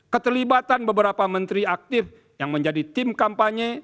keterlibatan beberapa menteri aktif yang menjadi tim kampanye